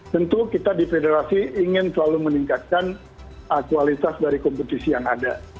tentu kita di federasi ingin selalu meningkatkan kualitas dari kompetisi yang ada